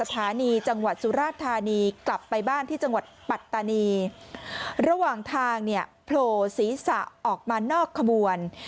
ระหว่างทางโผล่ศีรษะออกมานอกขบวน